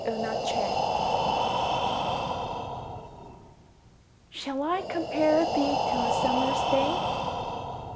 XVIII Shall I compare thee to a summerŌĆÖs day?